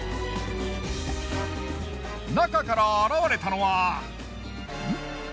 中から現れたのはん？